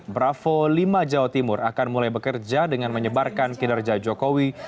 bravo lima jawa timur akan mulai bekerja dengan menyebarkan kinerja jokowi